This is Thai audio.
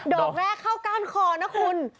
อกแรกเข้าก้านคอนะคุณ